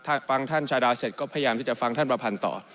ถ้าฟังท่านชาดาเสร็จก็พยายามที่จะฟังท่านประพันธ์ต่อ